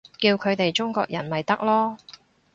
叫佢哋中國人咪得囉